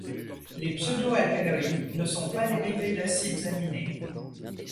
Les pseudo-alcaloïdes ne sont pas dérivés d'acides aminés.